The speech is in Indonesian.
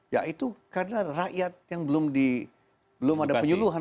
ya itu karena rakyat yang belum ada penyuluhan